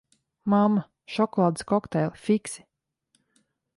Mamma, šokolādes kokteili, fiksi!